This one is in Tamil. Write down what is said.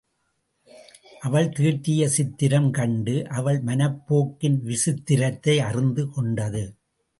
அவள் தீட்டிய சித்திரம் கண்டு அவள் மனப்போக்கின் விசித்திரத்தை அறிந்து கொண்டது.